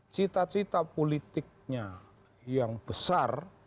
cita cita politiknya yang besar